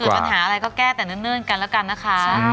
ปัญหาอะไรก็แก้แต่เนิ่นกันแล้วกันนะคะ